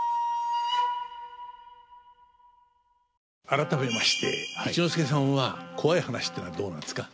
改めまして一之輔さんはコワい話っていうのはどうなんですか？